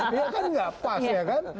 ya kan gak pas ya kan